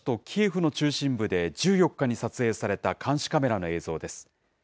キエフの中心部で１４日に撮影された監視カメラの映像です。